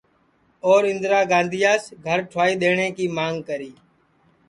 اور اِندرا گاندھیاس گھر ٹھُوائی دؔیٹؔیں کی مانگ کری